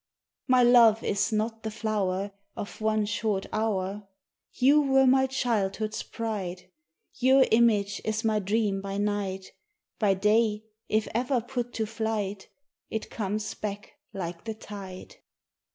My love is not the flower Of one short hour; You were my childhood's pride; Your image is my dream by night, By day if ever put to flight It comes back like the tide.